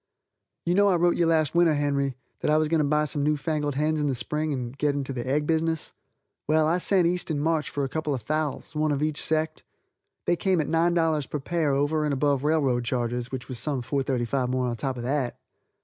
You know I wrote you last winter, Henry, that I was going to buy some new fangled hens in the spring and go into the egg business. Well, I sent east in March for a couple of fowls, one of each sect. They came at $9 per pair over and above railroad charges, which was some $4.35 more on top of that.